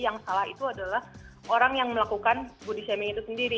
yang salah itu adalah orang yang melakukan body shaming itu sendiri